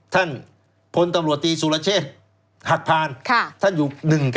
ท่านพลตำรวจตีสุรเชษฐ์หักพานท่านอยู่๑๙